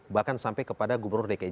bahkan sampai kepada gubernur dki jakarta ini